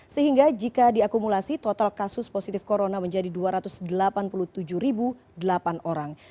sehingga jika diakumulasi total kasus positif corona menjadi dua ratus delapan puluh tujuh delapan orang